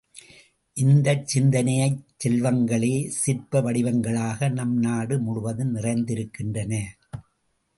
இந்தச் சிந்தனைச் செல்வங்களே சிற்ப வடிவங்களாக நம் நாடு முழுவதும் நிறைந்திருக்கின்றன.